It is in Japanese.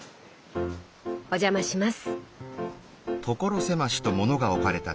お邪魔します。